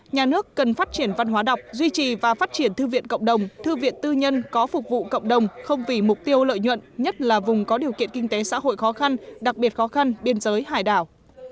nhà nước cần phát triển văn hóa đọc duy trì và phát triển thư viện cộng đồng thư viện tư nhân có phục vụ cộng đồng không vì mục tiêu lợi nhuận nhất là vùng có điều kiện kinh tế xã hội khó khăn đặc biệt khó khăn biên giới hải đảo